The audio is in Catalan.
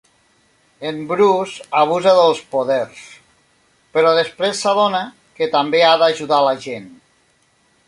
En Bruce abusa dels poders, però després s'adona que també ha d'ajudar la gent.